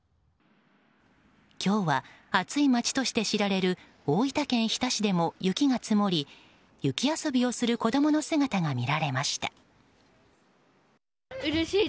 今日は暑い町として知られる大分県日田市でも雪が積もり、雪遊びをする子供の姿が見られました。